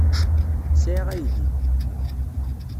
Sɛiɣ aydi.